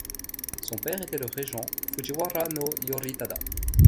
Son père était le régent Fujiwara no Yoritada.